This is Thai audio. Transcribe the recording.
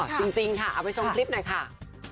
จริงค่ะเอาไปชมคลิปนะคะ